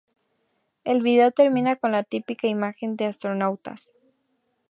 El vídeo termina con la típica imagen de astronautas.